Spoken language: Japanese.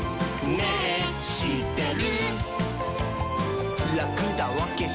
「ねぇしってる？」